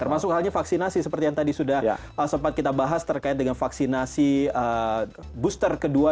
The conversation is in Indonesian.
termasuk halnya vaksinasi seperti yang tadi sudah sempat kita bahas terkait dengan vaksinasi booster kedua